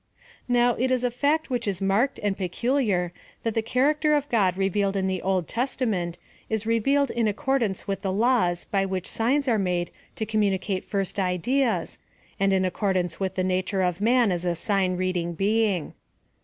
Now, it is a fact which is marked and peculiar that the character of God revealed in the Old Tes tament is revealed in accordance with the laws by which signs are made to communicate first ideas, PLAN OF SALVATION. 269 and in accordance with the nature of man as a sign reading being.